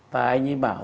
và anh ấy bảo